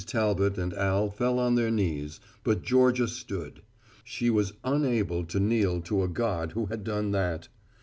Talbot and Al fell on their knees, but Georgia stood. She was unable to kneel to a God who had done that.